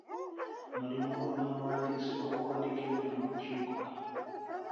Mulimu gwa muwandiisi okuwandiika ebiri mu lukiiko.